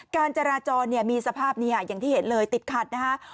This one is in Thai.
การจราจรมีสภาพอย่างที่เห็นเลยติดขัดนะคะ